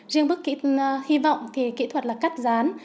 riêng bức hy vọng thì kỹ thuật là cắt rán